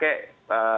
jadi clear lah